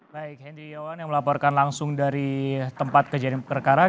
baik hendy iwan yang melaporkan langsung dari tempat kejadian perkara